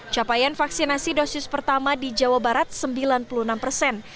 capaian vaksinasi dosis pertama di jawa barat sembilan puluh enam persen